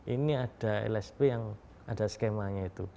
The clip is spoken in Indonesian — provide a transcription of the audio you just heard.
ini ada lsp yang ada skemanya itu